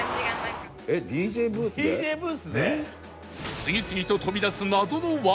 次々と飛び出す謎のワード。